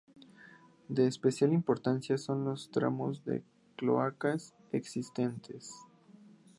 De especial importancia son los tramos de cloacas existentes.